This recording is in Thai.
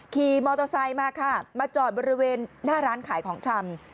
ขี่มอเตอร์ไซค์มาค่ะมาจอดบริเวณหน้าร้านขายของชำ